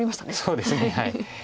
そうですね。